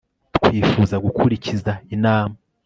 twifuza gukurikiza inama